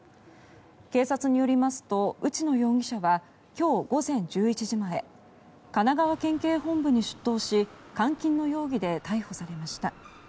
警察によりますと内野容疑者は今日午前１１時前神奈川県警本部に出頭し監禁の容疑で逮捕されました。